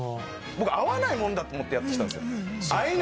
僕会わないもんだと思ってやってきたんですよ。